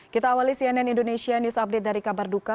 kita awali cnn indonesia news update dari kabarduka